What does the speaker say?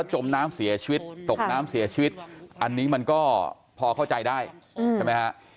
จมน้ำเสียชีวิตตกน้ำเสียชีวิตอันนี้มันก็พอเข้าใจได้ใช่ไหมฮะ